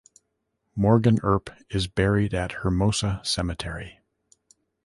Morgan Earp is buried at Hermosa Cemetery.